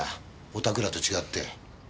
おたくらと違って。